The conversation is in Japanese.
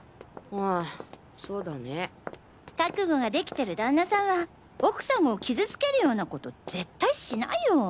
あそうだね。覚悟ができてる旦那さんは奥さんを傷つけるようなこと絶対しないよ。